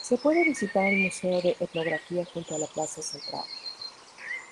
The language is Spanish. Se puede visitar el museo de etnografía junto a la plaza central.